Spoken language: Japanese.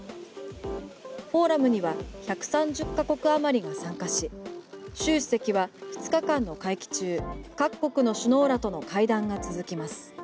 フォーラムには１３０カ国余りが参加し習主席は２日間の会期中各国の首脳らとの会談が続きます。